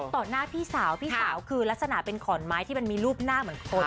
หน้าพี่สาวพี่สาวคือลักษณะเป็นขอนไม้ที่มันมีรูปหน้าเหมือนคน